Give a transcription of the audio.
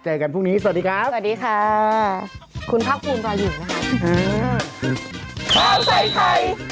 กันพรุ่งนี้สวัสดีครับสวัสดีค่ะคุณภาคภูมิรออยู่นะคะ